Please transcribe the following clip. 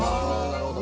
なるほど！